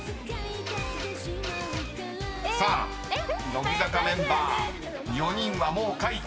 ［さあ乃木坂メンバー４人はもう書いた］